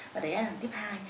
và đấy là tiếp hai